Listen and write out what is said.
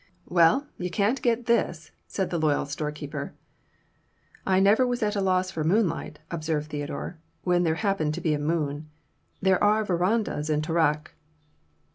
"Well, you can't get this," said the loyal storekeeper. "I never was at a loss for moonlight," observed Theodore, "when there happened to be a moon. There are verandahs in Toorak."